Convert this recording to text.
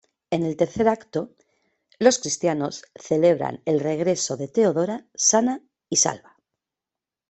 En el tercer acto, los cristianos celebran el regreso de Theodora sana y salva.